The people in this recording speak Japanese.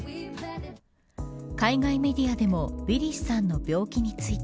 海外メディアでもウィリスさんの病気について。